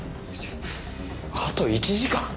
あと１時間！